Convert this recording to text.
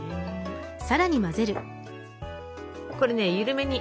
これね緩めに。